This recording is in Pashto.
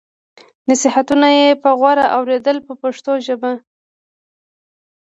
نصیحتونه یې په غور اورېدل په پښتو ژبه.